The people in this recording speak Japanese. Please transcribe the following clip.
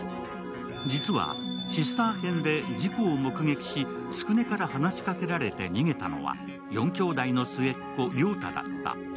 実は、シスター編で事故を目撃し、都久音から話しかけられて逃げたのは４きょうだいの末っ子、良太だった。